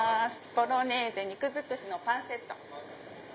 ボロネーゼ肉づくしのパンセット。